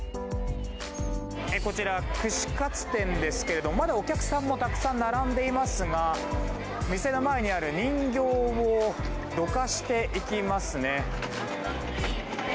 こちら串カツ店ですけれどもまだお客さんもたくさん並んでいますが店の前にある人形をどかしていきますね。